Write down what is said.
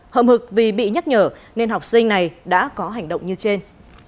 hậm hực vì bị nhắc nhở nên học sinh này đã có hành động như trên